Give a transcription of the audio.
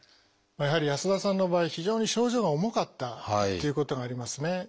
やはり安田さんの場合非常に症状が重かったっていうことがありますね。